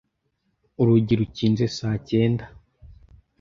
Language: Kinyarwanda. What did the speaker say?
Urugi rukinze saa cyenda.